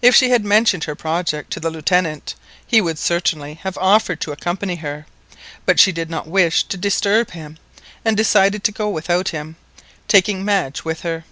If she had mentioned her project to the Lieutenant, he would certainly have offered to accompany her; but she did not wish to disturb him, and decided to go without him, taking Madge with her.